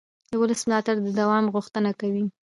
د ولس ملاتړ د دوام غوښتنه کوي